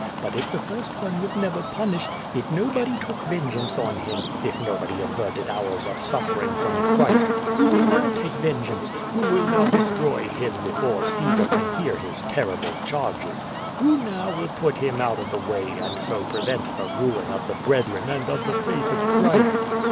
But if the first one was never punished, if nobody took vengeance on him, if nobody averted hours of suffering from Christ, who will now take vengeance? Who now will destroy him before Caesar can hear his terrible charges? Who now will put him out of the way, and so prevent the ruin of the brethren and of the faith of Christ?"